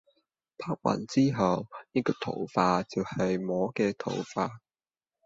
拍完之後，呢個頭髮就係我嘅頭髮